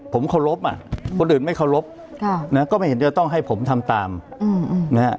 ผมเคารพอ่ะคนอื่นไม่เคารพก็ไม่เห็นจะต้องให้ผมทำตามนะฮะ